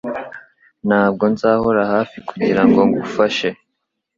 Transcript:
Ntabwo nzahora hafi kugirango ngufashe